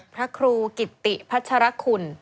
พระครูกิตติพัชรคุณ